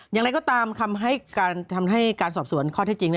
อย่างไรก็ตามคำทำให้การสอบสวนข้อเท็จจริง